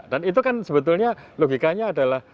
itu kan sebetulnya logikanya adalah